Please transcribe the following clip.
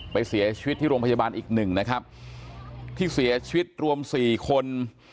ไปเสียชีวิตที่โรงพยาบาลอีกหนึ่งนะครับที่เสียชีวิตรวมสี่คน